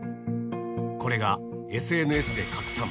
これがＳＮＳで拡散。